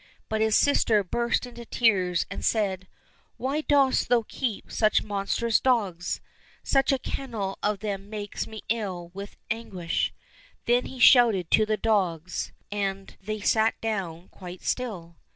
But his sister burst into tears and said, " Why dost thou keep such monstrous dogs ? Such a kennel of them makes me ill with anguish !" Then he shouted to the dogs, and 1 Little Wolf. 68 LITTLE TSAR NOVISHNY they sat down quite still.